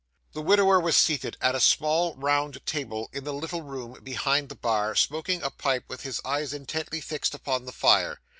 The widower was seated at a small round table in the little room behind the bar, smoking a pipe, with his eyes intently fixed upon the fire.